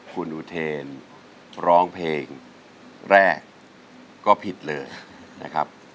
คุณอุเทนร้องเพลงแรกก็ผิดเลยนะครับ